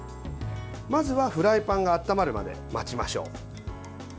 まずはフライパンが温まるまで待ちましょう。